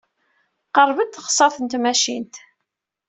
Teqreb-d teɣsert n tmacint.